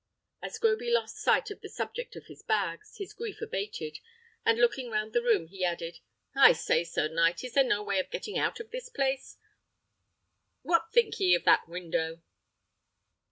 As Groby lost sight of the subject of his bags, his grief abated, and looking round the room, he added, "I say, sir knight, is there no way of getting out of this place? What think ye o' that window?"